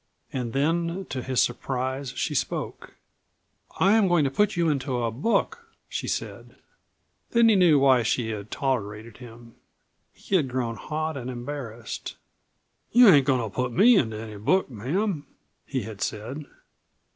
And then to his surprise she spoke. "I am going to put you into a book," she said. Then he knew why she had tolerated him. He had grown hot and embarrassed. "You ain't goin' to put me in any book, ma'am," he had said.